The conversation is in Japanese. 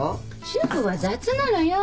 主婦は雑なのよ。